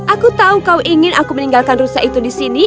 aku tahu kau ingin aku meninggalkan rusa itu di sini